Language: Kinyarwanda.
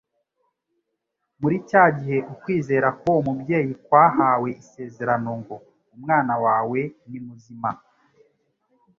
Muri cya gihe ukwizera k'uwo mubyeyi kwahawe isezerano ngo: Umwana wawe ni muzima»,